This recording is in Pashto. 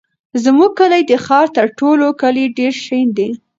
زموږ کلی د ښار تر ټولو کلیو ډېر شین دی.